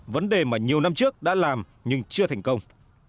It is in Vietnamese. vấn đề mà nhiều năm trước đã làm nhưng chưa thành công